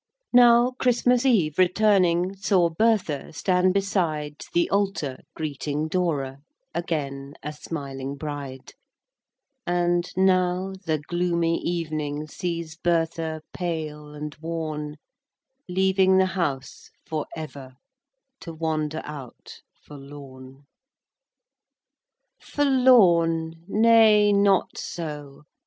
XVII. Now Christmas Eve returning, Saw Bertha stand beside The altar, greeting Dora, Again a smiling bride; And now the gloomy evening Sees Bertha pale and worn, Leaving the house for ever, To wander out forlorn. XVIII. Forlorn—nay, not so.